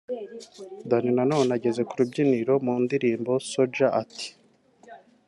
Danny Nanone ageze ku rubyiniro mu ndirimbo ’Soldier’ ati